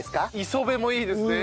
磯部もいいですね。